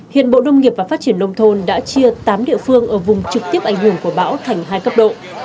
hiện bộ nông nghiệp và phát triển nông thôn đã chia tám địa phương ở vùng trực tiếp ảnh hưởng của bão thành hai cấp độ